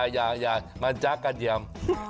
โอ๊ยอย่ามันจ๊ะกันเยี่ยม